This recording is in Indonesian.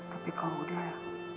tapi kalau udah